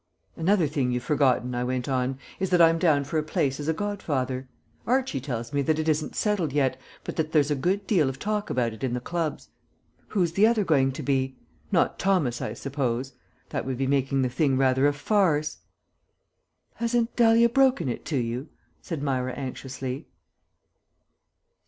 "Another thing you've forgotten," I went on, "is that I'm down for a place as a godfather. Archie tells me that it isn't settled yet, but that there's a good deal of talk about it in the clubs. Who's the other going to be? Not Thomas, I suppose? That would be making the thing rather a farce." "Hasn't Dahlia broken it to you?" said Myra anxiously.